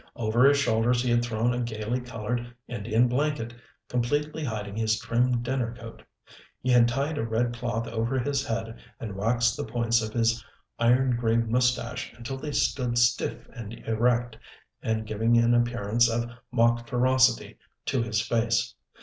Over his shoulders he had thrown a gayly colored Indian blanket, completely hiding his trim dinner coat. He had tied a red cloth over his head and waxed the points of his iron gray mustache until they stood stiff and erect, giving an appearance of mock ferocity to his face.